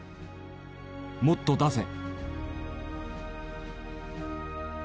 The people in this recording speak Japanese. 「もっと出せ！」。